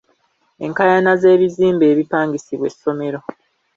Enkaayana z'ebizimbe ebipangisibwa essomero.